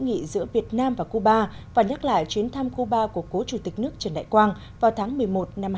nghị giữa việt nam và cuba và nhắc lại chuyến thăm cuba của cố chủ tịch nước trần đại quang vào tháng một mươi một năm hai nghìn hai mươi